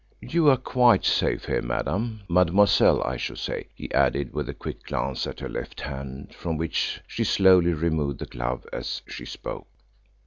"You are quite safe here, madame mademoiselle, I should say," he added, with a quick glance at her left hand, from which she slowly removed the glove as she spoke.